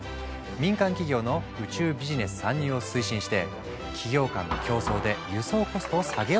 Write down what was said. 民間企業の宇宙ビジネス参入を推進して企業間の競争で輸送コストを下げようとしたんだ。